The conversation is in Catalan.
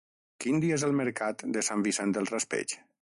Quin dia és el mercat de Sant Vicent del Raspeig?